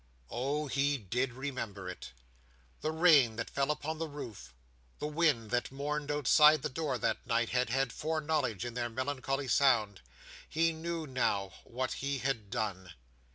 Oh! He did remember it! The rain that fell upon the roof, the wind that mourned outside the door that night, had had foreknowledge in their melancholy sound. He knew, now, what he had done.